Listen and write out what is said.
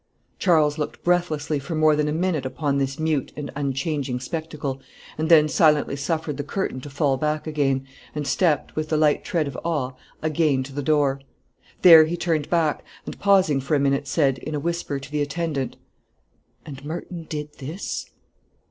Charles looked breathlessly for more than a minute upon this mute and unchanging spectacle, and then silently suffered the curtain to fall back again, and stepped, with the light tread of awe, again to the door. There he turned back, and pausing for a minute, said, in a whisper, to the attendant "And Merton did this?"